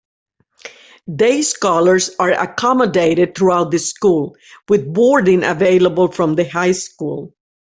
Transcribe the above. Day scholars are accommodated throughout the school, with boarding available from the high school.